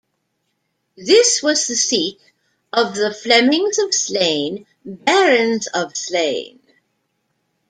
This was the seat of the Flemings of Slane, barons of Slane.